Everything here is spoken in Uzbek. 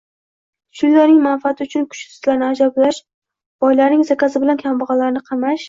kuchlilarning manfaati uchun kuchsizlarni azoblash, boylarning “zakazi” bilan kambag‘allarni qamash